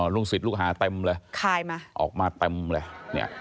ลูกศิษย์ลูกหาเต็มเลยคลายมาออกมาเต็มเลยเนี่ย